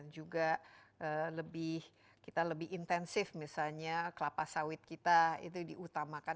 juga kita lebih intensif misalnya kelapa sawit kita itu diutamakan